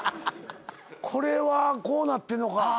これはこうなってんのか。